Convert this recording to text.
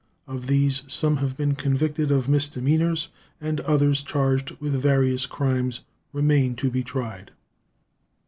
Of these, some have been convicted of misdemeanors, and others, charged with various crimes, remain to be tried.